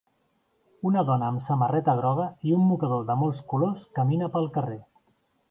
Una dona amb samarreta groga i un mocador de molts colors camina pel carrer.